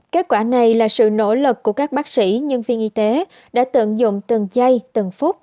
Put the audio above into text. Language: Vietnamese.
kết quả này là sự nỗ lực của các bác sĩ nhân viên y tế đã tận dụng từng chay từng phút